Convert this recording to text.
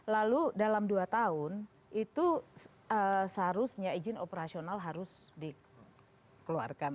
lalu dalam dua tahun itu seharusnya izin operasional harus dikeluarkan